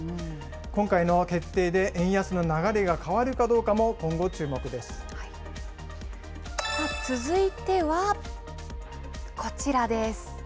今回の決定で円安の流れが変わる続いては、こちらです。